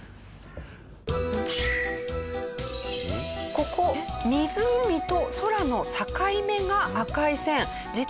ここ湖と空の境目が赤い線。